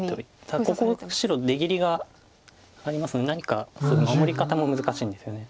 ただここ白出切りがありますので何か守り方も難しいんですよね。